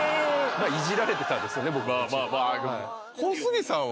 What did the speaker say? いじられてたんですね。